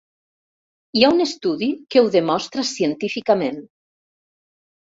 Hi ha un estudi que ho demostra científicament.